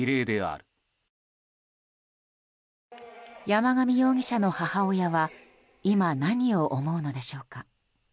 山上容疑者の母親は今、何を思うのでしょうか。